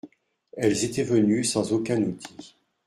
Elles étaient venues sans aucun outil.